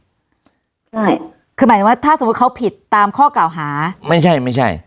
ใช่คือหมายถึงว่าถ้าสมมุติเขาผิดตามข้อเก่าหาไม่ใช่ไม่ใช่